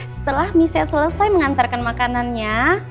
setelah mise selesai mengantarkan makanannya